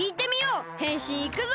へんしんいくぞ！